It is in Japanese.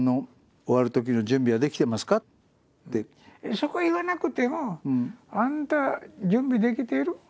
そこは言わなくても「あなた準備できてる？